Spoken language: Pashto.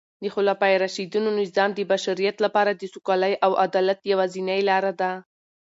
د خلفای راشدینو نظام د بشریت لپاره د سوکالۍ او عدالت یوازینۍ لاره ده.